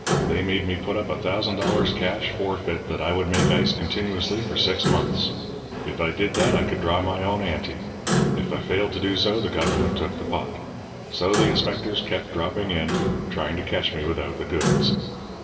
They made me put up a thousand dollars cash forfeit that I would make ice continuously for six months. If I did that I could draw down my ante. If I failed to do so the government took the pot. So the inspectors kept dropping in, trying to catch me without the goods.